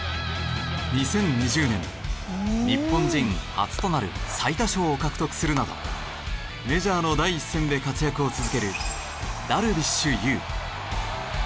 ２０２０年日本人初となる最多勝を獲得するなどメジャーの第一線で活躍を続けるダルビッシュ有。